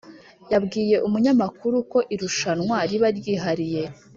yabwiye umunyamakuru ko irushwanwa riba ryihariye